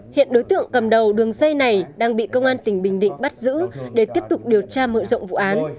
hiện đối tượng cầm đầu đường dây này đang bị công an tỉnh bình định bắt giữ để tiếp tục điều tra mở rộng vụ án